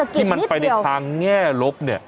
ที่มันไปในทางแง่ลบเนี่ย